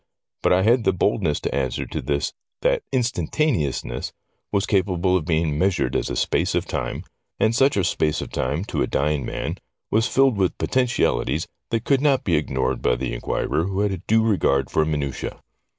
But Thad the boldness to answer to this that ' instantaneousness ' was capable of being measured as a space of time, and such a space of time, to a dying man, was filled with potentialities that could not be ignored by the inquirer who had a due regard for minutise.